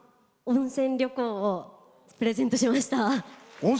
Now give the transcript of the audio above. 温泉旅行をプレゼントしました。